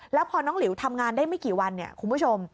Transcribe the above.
แล้วพอน้องหลิวทำงานได้ไม่กี่วันเนี่ยคุณผู้ชม